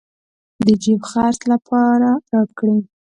د جېب خرڅ لپاره راكړې.